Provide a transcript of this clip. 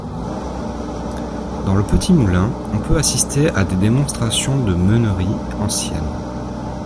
Dans le petit moulin, on peut assister à des démonstrations de meunerie ancienne.